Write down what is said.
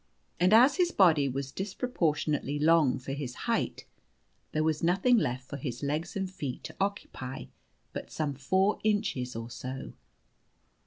And as his body was disproportionately long for his height, there was nothing left for his legs and feet to occupy but some four inches or so.